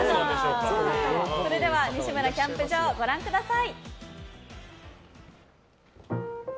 それでは「西村キャンプ場」ご覧ください。